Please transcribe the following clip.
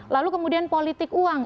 lalu kemudian politik uang